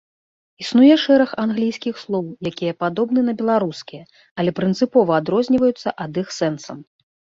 Існуе шэраг англійскіх слоў, якія падобны на беларускія, але прынцыпова адрозніваюцца ад іх сэнсам.